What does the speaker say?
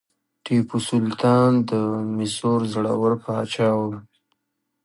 ټیپو سلطان د میسور زړور پاچا و.